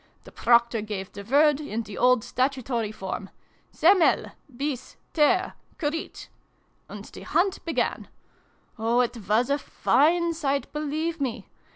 The Proctor gave the word, in the old statutory form, ' Seme I ! Bis ! Ter ! Currite!\ and the Hunt began! Oh, it was a fine sight, believe me